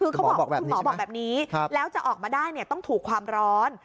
คุณหมอบอกแบบนี้แล้วจะออกมาได้ต้องถูกความร้อน